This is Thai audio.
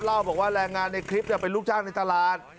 เล่าบอกว่าแรงงานในคลิปเป็นลูกจ้างในตลาด